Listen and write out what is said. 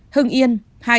hưng yên hai trăm linh bảy